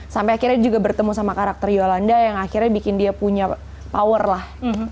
sampai akhirnya juga bertemu sama karakter yolanda yang akhirnya bikin dia punya power lah